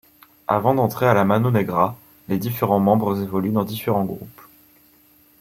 Avant d'entrer à la Mano Negra les différents membres évoluent dans différents groupes.